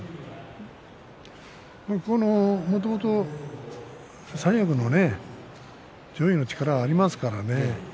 もともと、三役のね上位の力はありますからね。